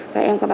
và em có bao giá